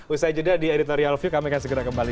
usai jeda di editorial view kami akan segera kembali